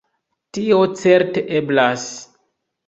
Tio certe eblas.